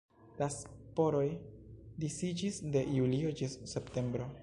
La sporoj disiĝis de julio ĝis septembro.